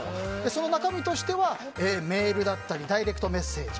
その中身としてはメールだったりダイレクトメッセージ。